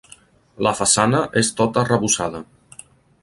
La façana és tota arrebossada.